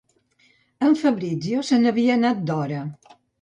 El Fabrizio se n'havia anat d'hora.